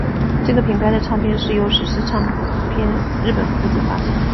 这个品牌的唱片是由史诗唱片日本负责发行。